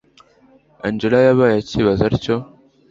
angella yabaye acyibaza atyo